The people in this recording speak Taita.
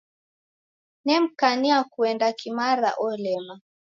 Nemkania kuenda kimara, olema.